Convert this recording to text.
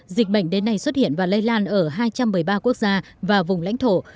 dịch bệnh đến nay xuất hiện và lây lan ở hai trăm một mươi ba quốc gia và vùng lãnh thổ